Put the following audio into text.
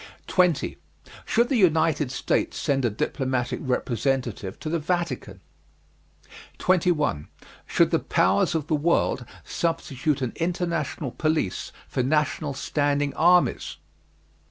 20. Should the United States send a diplomatic representative to the Vatican? 21. Should the Powers of the world substitute an international police for national standing armies?